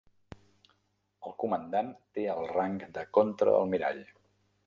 El comandant té el rang de contraalmirall.